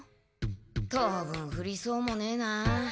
当分ふりそうもねえな。